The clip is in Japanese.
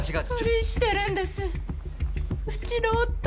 不倫してるんですうちの夫。